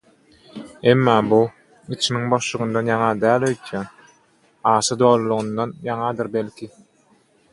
Emma bu, içimiň boşlugyndan ýaňa däl öýdýän, aşa dolulygyndan ýaňadyr belki.